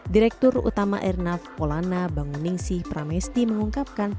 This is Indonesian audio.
direktur utama airnav polana banguningsih pramesti mengungkapkan